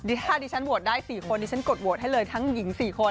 ถ้าดิฉันโหวตได้๔คนดิฉันกดโหวตให้เลยทั้งหญิง๔คน